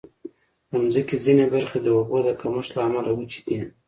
د مځکې ځینې برخې د اوبو د کمښت له امله وچې دي.